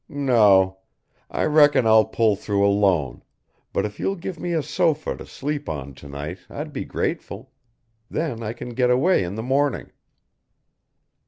No. I reckon I'll pull through alone, but if you'd give me a sofa to sleep on to night I'd be grateful. Then I can get away in the morning."